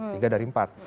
tiga dari empat